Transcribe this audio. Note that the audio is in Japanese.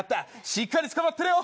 しっかりつかまってろよ。